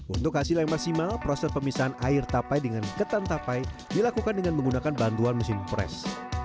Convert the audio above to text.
untuk hasil yang maksimal proses pemisahan air tapai dengan ketan tapai dilakukan dengan menggunakan bantuan mesin fresh